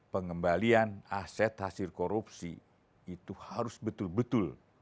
pengembalian aset hasil korupsi itu harus betul betul